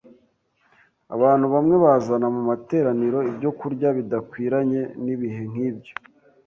Abantu bamwe bazana mu materaniro ibyokurya bidakwiranye n’ibihe nk’ibyo